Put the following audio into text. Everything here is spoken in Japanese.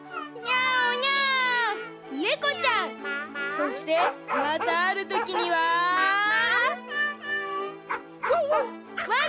そしてまたあるときには「ワンワン」。